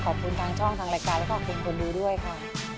ขอบคุณทางช่องทางรายการและขอบคุณคนดูด้วยค่ะ